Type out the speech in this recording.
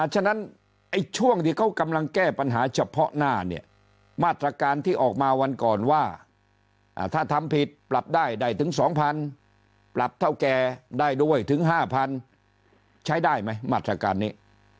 ฉะนั้นช่วงที่เขากำลังแก้ปัญหาเฉพาะหน้าเนี่ยมาตรการที่ออกมาวันก่อนว่าถ้าทำผิดปรับได้ได้ถึง๒๐๐ปรับเท่าแก่ได้ด้วยถึง๕๐๐ใช้ได้ไหมมาตรการนี้